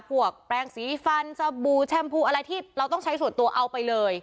พวกแปลงสีฟันสบู่แชมพูอะไรที่เราต้องใช้ส่วนตัวเอาไปเลย